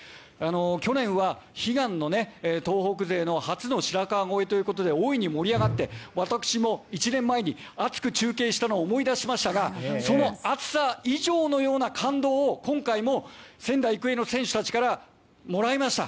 去年は悲願の東北勢の初の白河越えということで大いに盛り上がって私も１年前に熱く中継したのを思い出しましたがその熱さ以上のような感動を、今回も仙台育英の選手たちからもらいました。